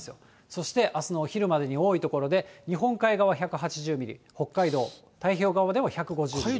そして、あすのお昼までに多い所で日本海側１８０ミリ、北海道太平洋側でも１５０ミリ。